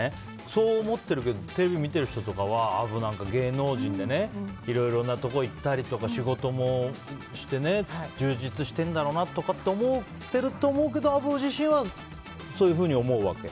そう思ってるけどテレビを見てる人とかはアブなんかは芸能人でいろいろなところに行ったり仕事もして充実してるんだろうなとか思ってると思うけどアブ自身はそういうふうに思うわけ？